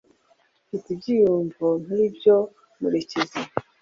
Mfite ibyiyumvo nk'ibyo, murekezi